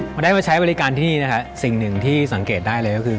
พอได้มาใช้บริการที่นี่นะฮะสิ่งหนึ่งที่สังเกตได้เลยก็คือ